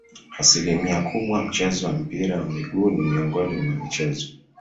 Asilimia kubwa mchezo wa mpira wa miguu ni miongoni mwa michezo